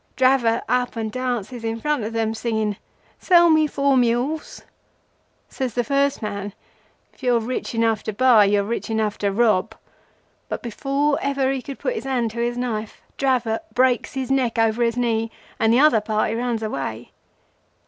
Dravot up and dances in front of them, singing,—'Sell me four mules.' Says the first man,—'If you are rich enough to buy, you are rich enough to rob;' but before ever he could put his hand to his knife, Dravot breaks his neck over his knee, and the other party runs away.